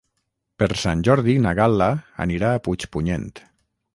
Per Sant Jordi na Gal·la anirà a Puigpunyent.